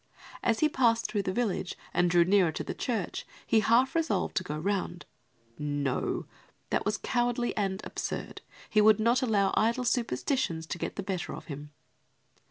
As he passed through the village and drew nearer to the church, he half resolved to go round. No, that was cowardly and absurd. He would not allow idle superstitions to get the better of him.